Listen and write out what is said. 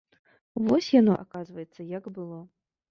Вось яно, аказваецца, як было!